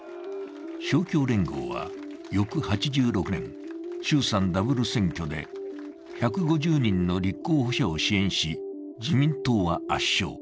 勝共連合は翌８６年、衆参ダブル選挙で、１５０人の立候補者を支援し自民党は圧勝。